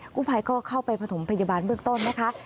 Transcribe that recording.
กู้ภัยก็เข้าไปประถมพยาบาลเบื้องต้นนะคะ